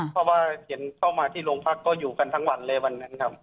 เพราะว่าเห็นเข้ามาที่โรงพักก็อยู่กันทั้งวันเลยวันนั้นครับ